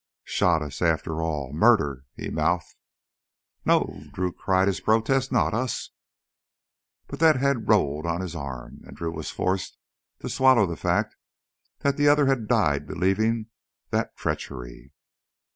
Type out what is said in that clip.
"Shot us ... after all ... murder " he mouthed. "No!" Drew cried his protest. "Not us " But that head rolled on his arm, and Drew was forced to swallow the fact that the other had died believing that treachery.